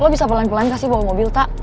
lo bisa pelan pelan kasih bawa mobil kak